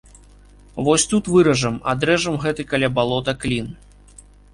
Вось тут выражам, адрэжам гэты каля балота клін.